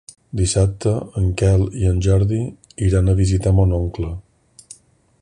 Dissabte en Quel i en Jordi iran a visitar mon oncle.